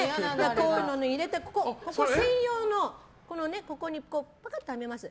こういうのに入れて専用のここにパカッとはめます。